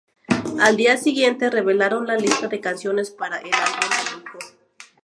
Al día siguiente, revelaron la lista de canciones para el álbum de lujo.